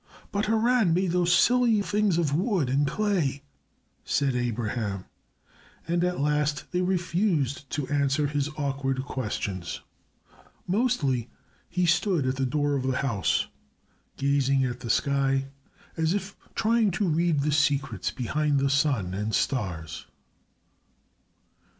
"But Haran made those silly things of wood and clay," said Abraham, and at last they refused to answer his awkward questions. Mostly he stood at the door of the house, gazing at the sky as if trying to read the secrets behind the sun and stars.